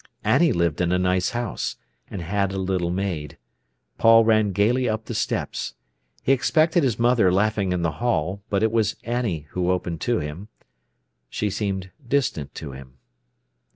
Annie lived in a nice house, and had a little maid. Paul ran gaily up the steps. He expected his mother laughing in the hall, but it was Annie who opened to him. She seemed distant to him.